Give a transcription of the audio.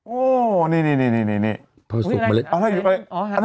โอ้นี่นี่นี่นี่นี่นี่ผอสุกเมล็ดอะไรอยู่ไหนอ๋อ